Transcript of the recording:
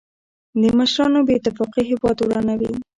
د مشرانو بې اتفاقي هېواد ورانوي.